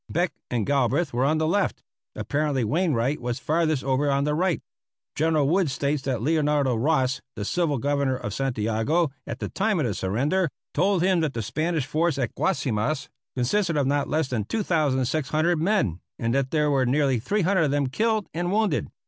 Beck and Galbraith were on the left; apparently Wainwright was farthest over on the right. General Wood states that Leonardo Ros, the Civil Governor of Santiago at the time of the surrender, told him that the Spanish force at Guasimas consisted of not less than 2,600 men, and that there were nearly 300 of them killed and wounded.